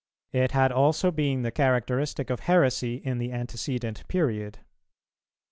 [304:2] It had also been the characteristic of heresy in the antecedent period. St.